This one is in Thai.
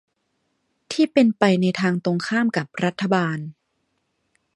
ที่เป็นไปในทางตรงข้ามกับรัฐบาล